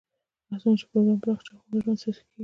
هر څومره چې پروګرام پراخ شي، هغومره ژوند سیاسي کېږي.